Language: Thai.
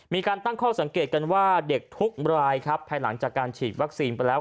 มีการตั้งข้อสังเกตกันว่าเด็กทุกรายครับภายหลังจากการฉีดวัคซีนไปแล้ว